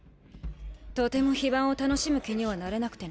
とても非番を楽しむ気にはなれなくてね。